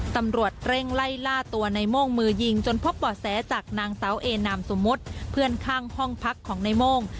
ตำรวจเร่งไล่ล่าตัวในโม่งมือยิงจนพบบ่อแสจากนางสาวเอนามสมมุติเพื่อนข้างห้องพักของในโม่ง